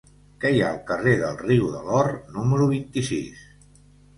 Què hi ha al carrer del Riu de l'Or número vint-i-sis?